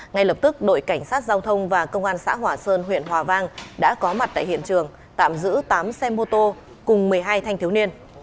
ngay lập tức đội cảnh sát giao thông và công an xã hòa sơn huyện hòa vang đã có mặt tại hiện trường tạm giữ tám xe mô tô cùng một mươi hai thanh thiếu niên